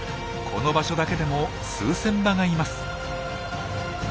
この場所だけでも数千羽がいます。